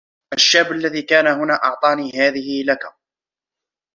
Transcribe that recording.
الشاب الذي كان هنا أعطاني هذه لك.